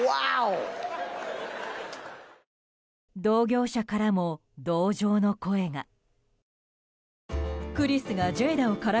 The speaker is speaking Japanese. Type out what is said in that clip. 同業者からも同情の声が。